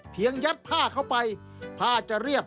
เพียงยัดผ้าเข้าไป